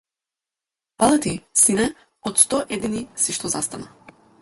Фала ти, сине, од сто едини си што застана.